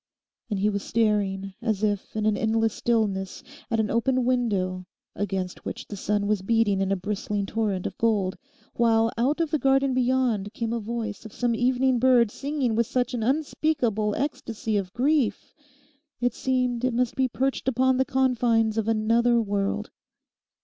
And he was staring as if in an endless stillness at an open window against which the sun was beating in a bristling torrent of gold, while out of the garden beyond came the voice of some evening bird singing with such an unspeakable ecstasy of grief it seemed it must be perched upon the confines of another world.